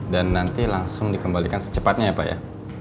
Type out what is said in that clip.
dan nanti langsung dikembalikan secepatnya ya pak ya